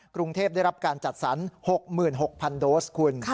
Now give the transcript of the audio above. กรุงเทพได้รับการจัดสรร๖๖๐๐โดสคุณ